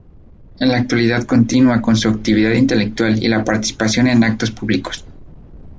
En la actualidad continúa con su actividad intelectual y la participación en actos públicos.